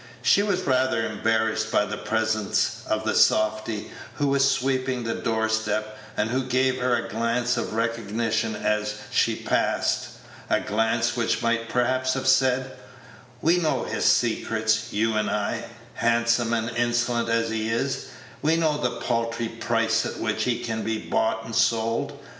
She was rather embarrassed by the presence of the softy, who was sweeping the door step, and who gave her a glance of recognition as she passed a glance which might perhaps have said, "We know his secrets, you and I, handsome and insolent as he is; we know the paltry price at which he can be bought and sold.